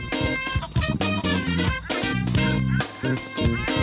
พี่พ่อดำเยินนานแล้วเขายังอยู่เลย